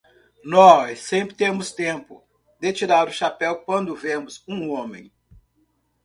Nós sempre temos tempo de tirar o chapéu quando vemos um homem.